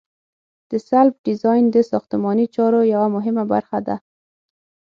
د سلب ډیزاین د ساختماني چارو یوه مهمه برخه ده